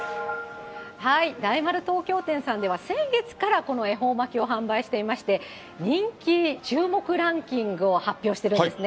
大丸東京店さんでは先月からこの恵方巻を販売していまして、人気、注目ランキングを発表してるんですね。